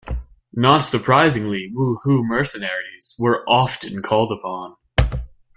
Not surprisingly, Wu Hu mercenaries were often called upon.